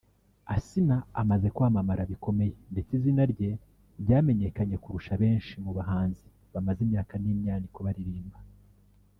Asinah amaze kwamamara bikomeye ndetse izina rye ryamenyekanye kurusha benshi mu bahanzi bamaze imyaka n’imyaniko baririmba